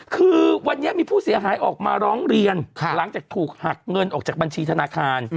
คือวันนี้มีผู้เสียหายออกมาร้องเรียนหลังจากถูกหักเงินออกจากบัญชีธนาคาร